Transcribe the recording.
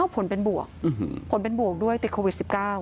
ผลเป็นบวกผลเป็นบวกด้วยติดโควิด๑๙